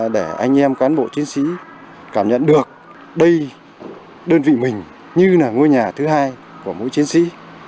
để anh em cán bộ chiến sĩ cảm nhận được đây đơn vị mình như là ngôi nhà thứ hai của mỗi chiến sĩ